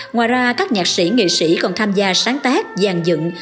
ngoài ra các nhạc sĩ nghệ sĩ còn tham gia sáng tác dàn dựng